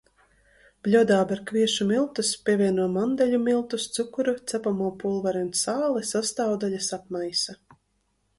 Bļodā ber kviešu miltus, pievieno mandeļu miltus, cukuru, cepamo pulveri un sāli, sastāvdaļas apmaisa.